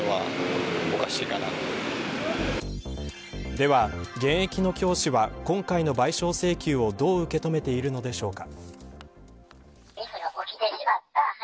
では現役の教師は今回の賠償請求をどう受け止めているのでしょうか。